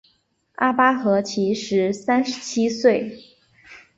阿巴亥其时三十七岁。